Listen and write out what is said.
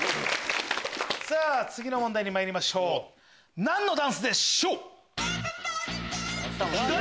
さぁ次の問題にまいりましょう何のダンスでしょう？